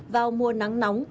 vào mùa nắng nóng